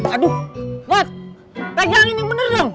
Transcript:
aduh mot pegangin ini bener dong